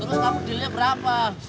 terus kamu dealnya berapa